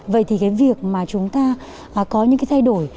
vậy thì cái việc mà chúng ta có những cái thay đổi